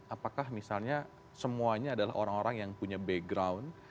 apakah misalnya semuanya adalah orang orang yang punya background